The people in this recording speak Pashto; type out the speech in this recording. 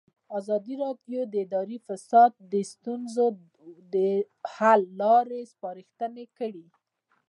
ازادي راډیو د اداري فساد د ستونزو حل لارې سپارښتنې کړي.